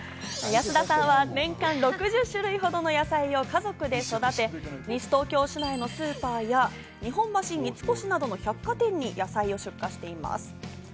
安田さんは年間６０種類ほどの野菜を家族で育て、西東京市内のスーパーや日本橋三越などの百貨店に野菜を出荷しています。